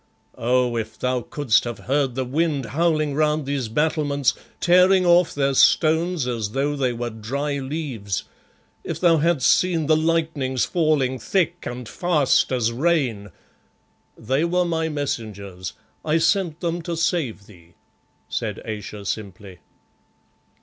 Oh! if thou couldst have heard the wind howling round these battlements, tearing off their stones as though they were dry leaves; if thou hadst seen the lightnings falling thick and fast as rain " "They were my messengers. I sent them to save thee," said Ayesha simply.